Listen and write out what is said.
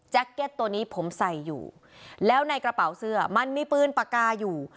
เก็ตตัวนี้ผมใส่อยู่แล้วในกระเป๋าเสื้อมันมีปืนปากกาอยู่